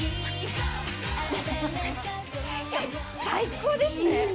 最高ですね！